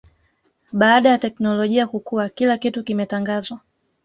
baada ya teknolojia kukua kila kitu kimetangazwa